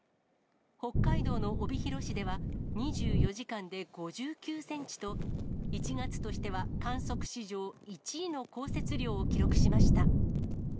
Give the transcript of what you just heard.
北海道の帯広市では、２４時間で５９センチと、１月としては観測史上１位の降雪量を記録しました。